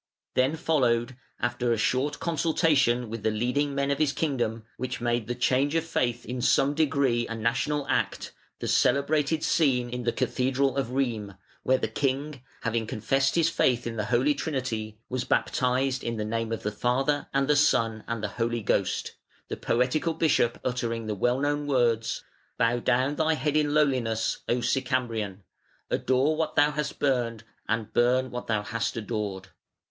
Then followed, after a short consultation with the leading men of his kingdom, which made the change of faith in some degree a national act, the celebrated scene in the cathedral of Rheims, where the king, having confessed his faith in the Holy Trinity, was baptised in the name of the Father and the Son and the Holy Ghost, the poetical bishop uttering the well known words: "Bow down thy head in lowliness, O Sicambrian; adore what thou hast burned and burn what thou hast adored".